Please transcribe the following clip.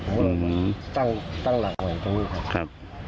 ผมก็ตั้งหลังมาอยู่ตรงนี้ครับ